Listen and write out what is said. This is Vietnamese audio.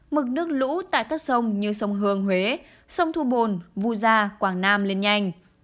mực nước lũ tại các sông như sông hương huế sông thu bồn vu gia quảng nam lên nhanh